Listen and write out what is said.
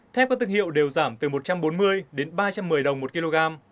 thép có tương hiệu đều giảm từ một trăm bốn mươi đến ba trăm một mươi đồng một kg